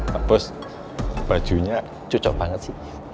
pak bos bajunya cocok banget sih